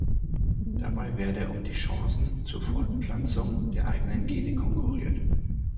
Dabei werde um die Chancen zur Fortpflanzung der eigenen Gene konkurriert.